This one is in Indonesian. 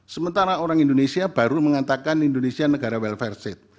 sementara orang indonesia baru mengatakan indonesia negara welfare sate